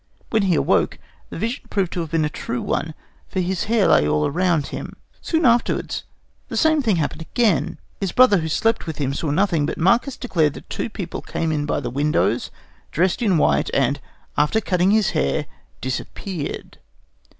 When he awoke, the vision proved to have been a true one, for his hair lay all round him. Soon afterwards the same thing happened again. His brother, who slept with him, saw nothing; but Marcus declared that two people came in by the windows, dressed in white, and, after cutting his hair, disappeared.